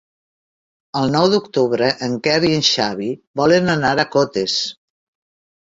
El nou d'octubre en Quer i en Xavi volen anar a Cotes.